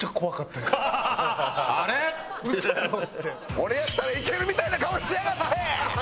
俺やったらいけるみたいな顔しやがって！